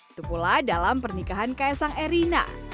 itu pula dalam pernikahan kaisang erina